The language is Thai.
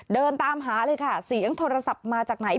เดินตามหาเลยค่ะเสียงโทรศัพท์มาจากไหน